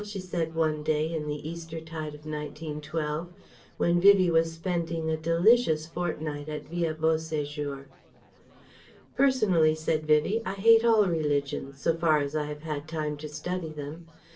she said one day in the Eastertide of 1912, when Vivie was spending a delicious fortnight at Villa Beau séjour. "Personally," said Vivie, "I hate all religions, so far as I have had time to study them.